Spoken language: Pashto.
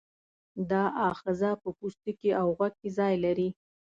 دا آخذه په پوستکي او غوږ کې ځای لري.